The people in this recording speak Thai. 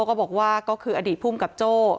ก็บอกว่าก็คืออดีตภูมิกับโจ้